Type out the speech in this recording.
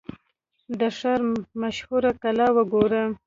د ښار مشهوره کلا وګورم.